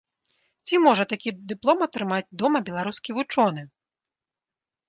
Ці можа такі дыплом атрымаць дома беларускі вучоны?